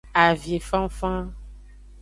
Avinfanfan.